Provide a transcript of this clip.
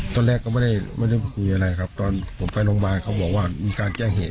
ตอนแรกก็ไม่ได้คุยอะไรครับตอนผมไปโรงพยาบาลเขาบอกว่ามีการแจ้งเหตุ